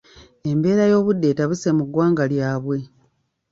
Embeera y'obudde etabuse mu ggwanga lyabwe.